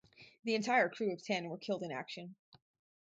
The entire crew of ten were killed in action.